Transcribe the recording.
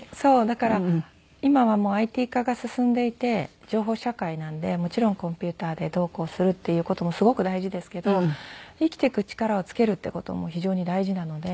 だから今はもうＩＴ化が進んでいて情報社会なのでもちろんコンピューターでどうこうするっていう事もすごく大事ですけど生きていく力をつけるっていう事も非常に大事なので。